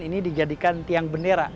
ini dijadikan tiang bendera